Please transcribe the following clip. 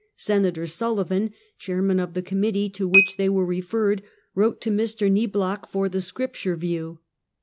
Sen ator Sullivan, chairman of the committee to which they were referred, wrote to Mr. Niblock for the scrip ture view.